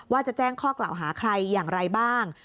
ว่าจะแจ้งข้อกล่าวหาใครอย่างไรบ้าง